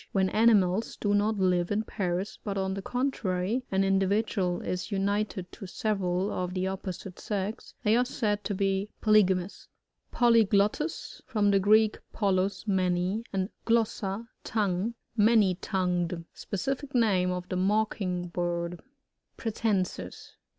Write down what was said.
When aoimaU do not live in pairs, but on the contrary, an individual is united to several of the opposite sex, they are said to be polygamous. PoLYGLOTTus. — From the Greek, polu$^ many, and glossa^ tongue. Many.tongued. Specific name of the Mocking bird. Pratb.nsis.